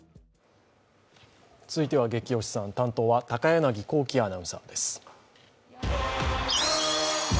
続いては「ゲキ推しさん」、担当は高柳光希アナウンサーです。